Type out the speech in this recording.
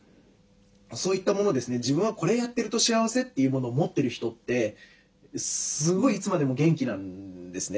「自分はこれやってると幸せ」というものを持ってる人ってすごいいつまでも元気なんですね。